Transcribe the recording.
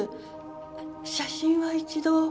写真は一度。